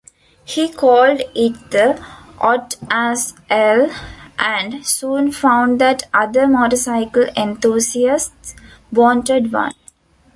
He called it the "Ot-as-Ell", and soon found that other motorcycle enthusiasts wanted one.